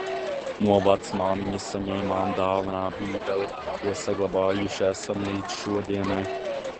No vecmāmiņas saņēmu dāvanā Bībeli, ko saglabājuši esam līdz šodienai.